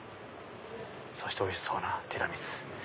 そしておいしそうなティラミス。